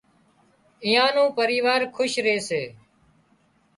ايئان نُون پريوار کُش ري سي